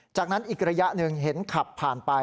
จากนั้นอีกระยะหนึ่งเห็นขับผ่านไป